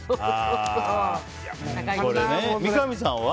三上さんは？